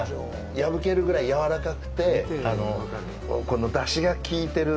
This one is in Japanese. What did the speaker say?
破けるぐらいやわらかくてこの出汁が効いてる。